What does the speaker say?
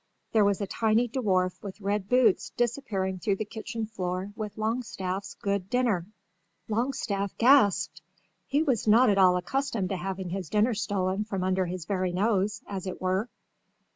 There was a tiny dwarf with red boots disappearing through the kitchen floor with Longstaff's good dinner. Longstaff gasped. He was not at all accustomed to having his dinner stolen from under his very nose, as it were.